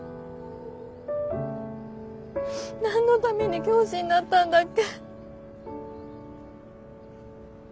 何のために教師になったんだっけ。